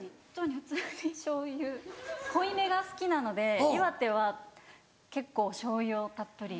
普通にしょうゆ濃いめが好きなので岩手は結構しょうゆをたっぷり。